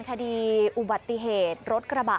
คดีอุบัติเหตุรถกระบะ